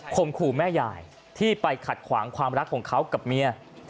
มขู่แม่ยายที่ไปขัดขวางความรักของเขากับเมีย